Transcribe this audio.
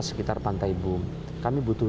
sekitar pantai bu kami butuh